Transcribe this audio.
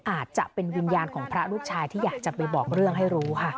อาจจะเป็นวิญญาณของพระลูกชายที่อยากจะไปบอกเรื่องให้รู้ค่ะ